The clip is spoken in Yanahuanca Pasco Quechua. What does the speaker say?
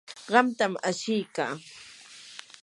qamtam ashiykaa.